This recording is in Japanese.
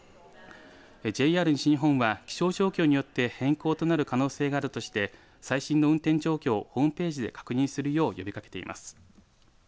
ＪＲ西日本は気象状況によって変更となる可能性があるとして最新の運転状況をホームページで確認するよう呼びかけています。